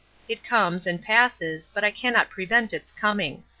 It comes and passes, but I cannot prevent its coming."